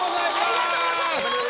ありがとうございます。